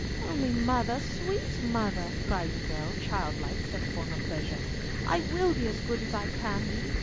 "Only, mother, sweet mother," cried the girl, childlike, set upon her pleasure, "I will be as good as can be.